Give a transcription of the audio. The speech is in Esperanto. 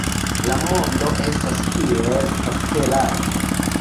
La mondo estas kiel paperaĵo.